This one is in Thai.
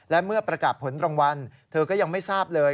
และเมื่อประกาศผลรางวัลเธอก็ยังไม่ทราบเลย